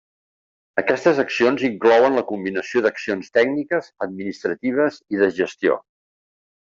Aquestes accions inclouen la combinació d'accions tècniques, administratives i de gestió.